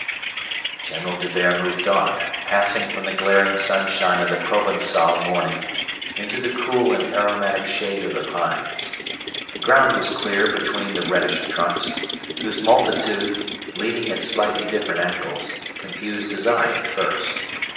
_" General D'Hubert moved on, passing from the glaring sunshine of the Provençal morning into the cool and aromatic shade of the pines. The ground was clear between the reddish trunks, whose multitude, leaning at slightly different angles, confused his eye at first.